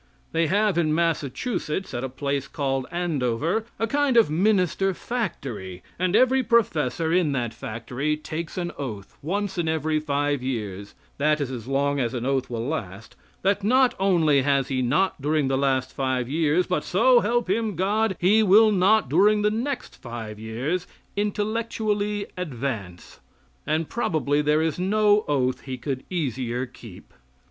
They have in Massachusetts, at a place called Andover, a kind of minister factory; and every professor in that factory takes an oath once in every five years that is as long as an oath will last that not only has he not during the last five years, but so help him God, he will not during the next five years intellectually advance; and probably there is no oath he could easier keep.